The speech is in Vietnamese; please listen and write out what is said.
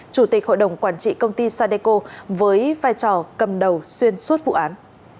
chủ tịch hội đồng quản trị công ty sadeco với vai trò cầm đầu xuyên suốt vụ án